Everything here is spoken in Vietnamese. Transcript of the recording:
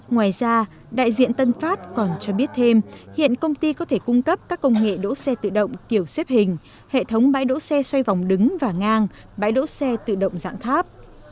ngoài ra đại diện tân pháp còn cho biết thêm hiện công ty có thể cung cấp các công nghệ đỗ xe tự động kiểu xếp hình hệ thống bãi đỗ xe xoay vòng đứng và ngang bãi đỗ xe tự động dạng tháp